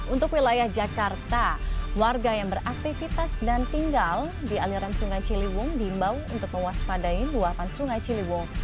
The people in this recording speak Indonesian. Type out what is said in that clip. untuk wilayah jakarta warga yang beraktivitas dan tinggal di aliran sungai ciliwung diimbau untuk mewaspadai luapan sungai ciliwung